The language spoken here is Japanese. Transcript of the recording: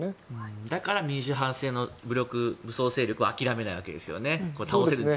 だから民主派武装勢力は諦めないわけですよね。